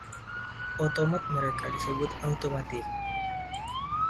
Otomat mereka disebut “automatiek”.